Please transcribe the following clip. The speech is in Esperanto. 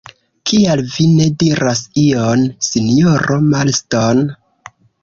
Kial vi ne diras ion, sinjoro Marston?